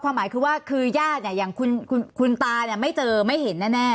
ความหมายคือว่าคือญาติเนี่ยอย่างคุณตาไม่เจอไม่เห็นน่ะแน่